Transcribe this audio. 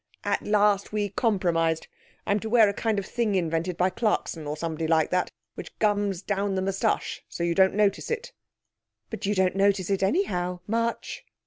At last we compromised. I'm to wear a kind of thing invented by Clarkson, or somebody like that, which gums down the moustache, so that you don't notice it' 'But you don't notice it, anyhow, much.'